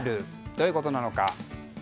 どういうことなのか。